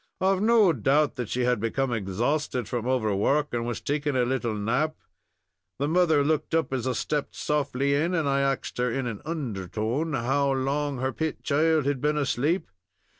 I've no doubt that she had become exhausted from overwork, and was taking a little nap. The mother looked up as I stepped softly in, and I axed her, in an undertone, how long her pet child had been asleep.